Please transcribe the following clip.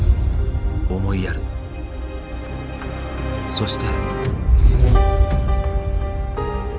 そして。